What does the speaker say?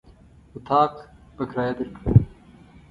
اطاق په کرايه درکوو.